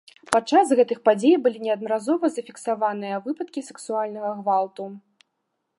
Падчас гэтых падзей былі неаднаразова зафіксаваныя выпадкі сексуальнага гвалту.